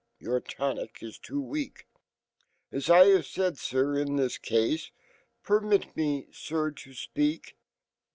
"" c your tonic is too weak." W A3 Ihave said, sir, In fh 5 case * "Permit me, sir, to speak?